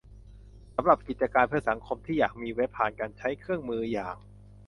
สำหรับกิจการเพื่อสังคมที่อยากมีเว็บผ่านการใช้เครื่องมืออย่าง